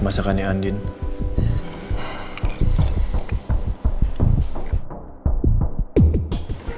masakan yang terbaik